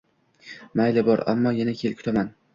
Mayli, bor. Ammo yana kel, kutaman.